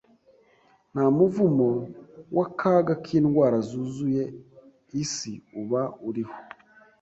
nta muvumo w’akaga k’indwara zuzuye isi uba uriho.